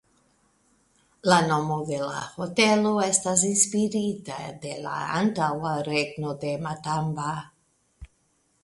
La nomo de la hotelo estas inspirita de la antaŭa regno de Matamba.